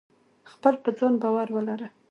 خپل په ځان باور ولره.